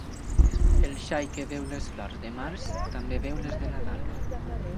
El xai que veu les flors de març, també veu les de Nadal.